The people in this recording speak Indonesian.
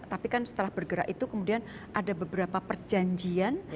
tapi kan setelah bergerak itu kemudian ada beberapa perjanjian